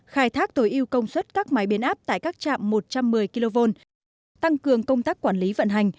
khai thác tối yêu công suất các máy biến áp tại các trạm một trăm một mươi kv tăng cường công tác quản lý vận hành